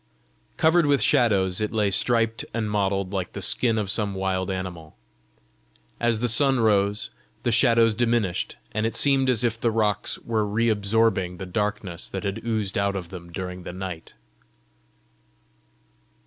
Covered with shadows it lay striped and mottled like the skin of some wild animal. As the sun rose the shadows diminished, and it seemed as if the rocks were re absorbing the darkness that had oozed out of them during the night.